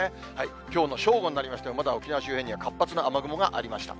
きょうの正午になりましても、まだ沖縄周辺には活発な雨雲がありました。